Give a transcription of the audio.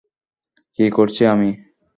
কী করছি আমি?